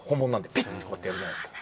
ピッてこうやってやるじゃないですか。